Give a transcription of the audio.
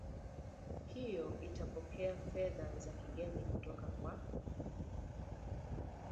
hiyo itapokea fedha za kigeni kutoka kwa